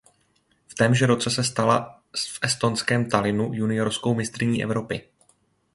V témže roce se stala v estonském Tallinnu juniorskou mistryní Evropy.